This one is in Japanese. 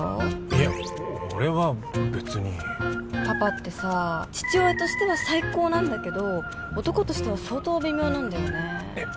いや俺は別にパパってさ父親としては最高なんだけど男としては相当微妙なんだよねえっ！